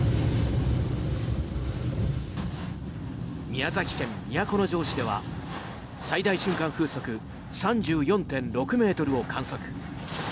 宮崎県都城市では最大瞬間風速３４．６ｍを観測。